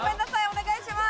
お願いします！